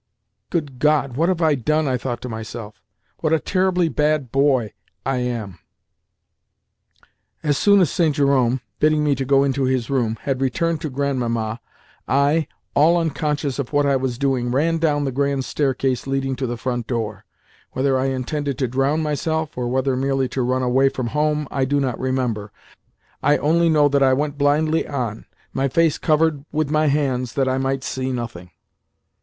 "Good God! What have I done?" I thought to myself. "What a terribly bad boy I am!" As soon as St. Jerome, bidding me go into his room, had returned to Grandmamma, I, all unconscious of what I was doing, ran down the grand staircase leading to the front door. Whether I intended to drown myself, or whether merely to run away from home, I do not remember. I only know that I went blindly on, my face covered with my hands that I might see nothing.